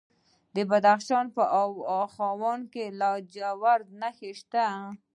د بدخشان په واخان کې د لاجوردو نښې شته.